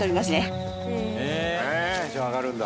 えテンション上がるんだ。